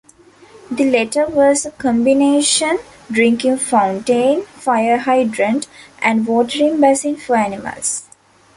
The latter was a combination drinking fountain, fire hydrant, and watering basin for animals.